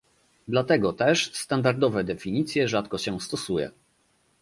Dlatego też standardowe definicje rzadko się stosuje